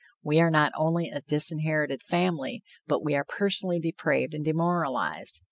we are not only a disinherited family, but we are personally depraved and demoralized."